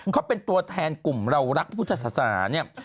เขาเป็นตัวแทนกลุ่มเรารักพุทธศาสนาเนี่ย